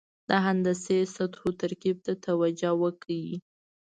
د هندسي سطحو ترکیب ته توجه وکړئ.